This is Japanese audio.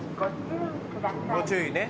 ご注意ね。